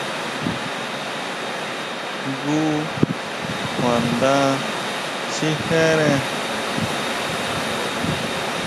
Jngu kjuanda sijere.